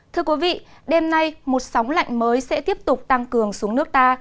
thưa quý vị đêm nay một sóng lạnh mới sẽ tiếp tục tăng cường xuống nước ta